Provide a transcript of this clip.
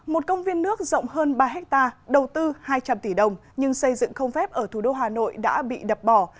một công viên nước rộng hơn ba hectare đầu tư hai trăm linh tỷ đồng nhưng xây dựng không phép ở thủ đô hà nội đã bị đập bỏ